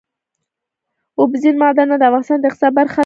اوبزین معدنونه د افغانستان د اقتصاد برخه ده.